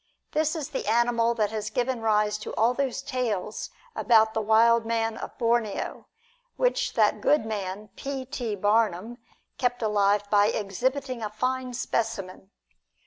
This is the animal that has given rise to all those tales about "the wild man of Borneo," which that good man, P. T. Barnum, kept alive by exhibiting a fine specimen.